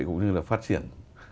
cũng như là phát triển